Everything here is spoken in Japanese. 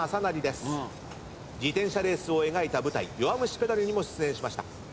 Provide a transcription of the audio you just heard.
自転車レースを描いた舞台『弱虫ペダル』にも出演しました。